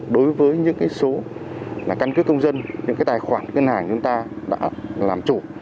đối với những số căn cứ công dân những cái tài khoản ngân hàng chúng ta đã làm chủ